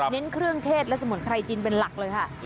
เครื่องเทศและสมุนไพรจีนเป็นหลักเลยค่ะ